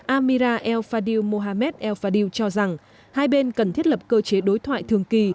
amira el fadil mohamed el fadil cho rằng hai bên cần thiết lập cơ chế đối thoại thường kỳ